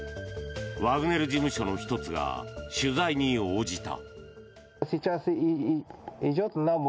ワグネル事務所の１つが取材に応じた。